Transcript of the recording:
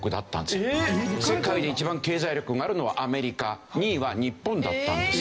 世界で一番経済力があるのはアメリカ２位は日本だったんです。